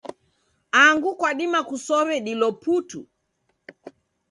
Angu kwadima kusow'e dilo putu.